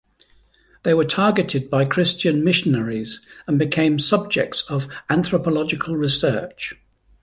They were targeted by Christian missionaries and became subjects of anthropological research.